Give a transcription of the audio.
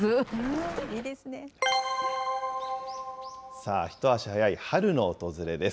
さあ、一足早い春の訪れです。